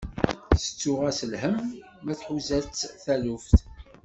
Settuɣ-as lhem, ma tḥuza-tt taluft.